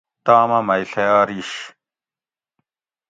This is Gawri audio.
تامہ مئ ڷیارِیش